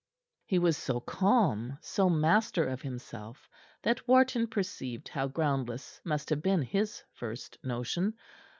He was so calm, so master of himself, that Wharton perceived how groundless must have been his first notion.